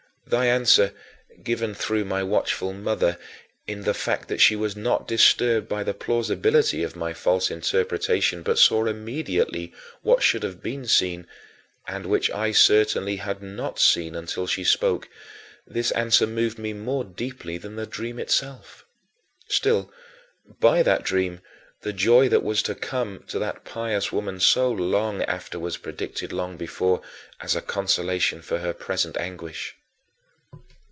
Thy answer, given through my watchful mother, in the fact that she was not disturbed by the plausibility of my false interpretation but saw immediately what should have been seen and which I certainly had not seen until she spoke this answer moved me more deeply than the dream itself. Still, by that dream, the joy that was to come to that pious woman so long after was predicted long before, as a consolation for her present anguish.